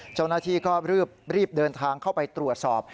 เจ้าหน้าที่ก็รีบเดินทางเข้าไปตรวจสอบ